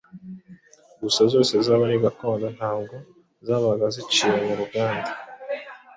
gusa zose zaba ari gakondo ntabwo zabaga zaciye mu ruganda.